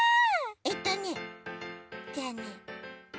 えっとねじゃあね